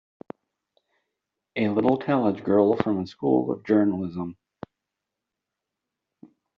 A little college girl from a School of Journalism!